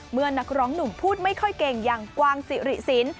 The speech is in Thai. นักร้องหนุ่มพูดไม่ค่อยเก่งอย่างกวางสิริสิน